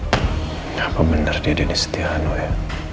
kenapa benar dia denis tiano ya